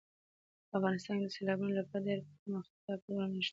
افغانستان کې د سیلابونه لپاره دپرمختیا پروګرامونه شته.